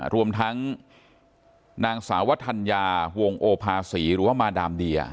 รวมทั้งนางสาวธัญญาวงโอภาษีหรือว่ามาดามเดีย